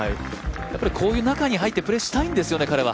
こういう中に入ってプレーしたいんですよね、彼は。